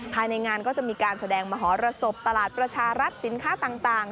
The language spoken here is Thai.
ภายในงานก็จะมีการแสดงมหรสบตลาดประชารัฐสินค้าต่าง